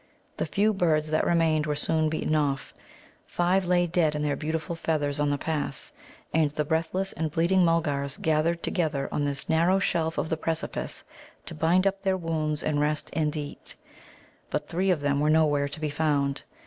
The few birds that remained were soon beaten off. Five lay dead in their beautiful feathers on the pass. And the breathless and bleeding Mulgars gathered together on this narrow shelf of the precipice to bind up their wounds and rest and eat. But three of them were nowhere to be found.